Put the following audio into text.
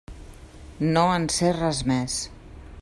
No en sé res més.